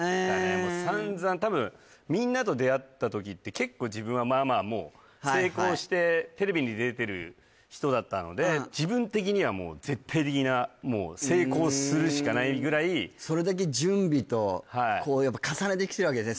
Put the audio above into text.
もう散々多分みんなと出会った時って結構自分はまあまあもう成功してテレビに出てる人だったので自分的にはもうぐらいそれだけ準備とやっぱ重ねてきてるわけですね